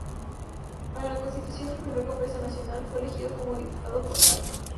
Para la constitución del Primer Congreso Nacional, fue elegido como diputado por Talca.